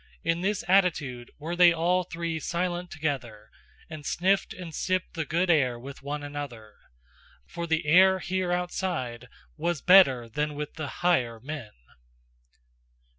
In this attitude were they all three silent together, and sniffed and sipped the good air with one another. For the air here outside was better than with the higher men.